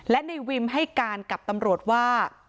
และในวิมให้การกับตำรวจว่า